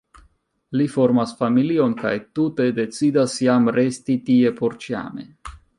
Li formas familion kaj tute decidas jam resti tie porĉiame.